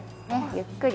ゆっくり。